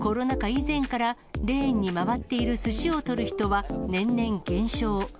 以前からレーンに回っているすしを取る人は年々減少。